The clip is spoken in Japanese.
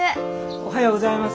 おはようございます。